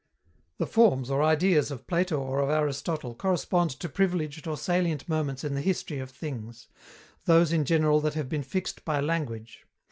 The forms or ideas of Plato or of Aristotle correspond to privileged or salient moments in the history of things those, in general, that have been fixed by language.